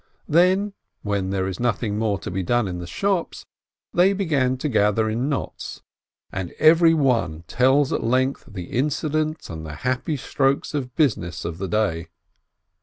— then, when there is nothing more to be done in the shops, they begin to gather in knots, and every one tells at length the incidents and the happy strokes of business of the day.